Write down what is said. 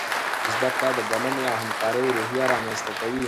زده کړه د بلنې او همکارۍ روحیه رامنځته کوي.